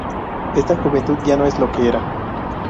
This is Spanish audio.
Esta juventud ya no es lo que era.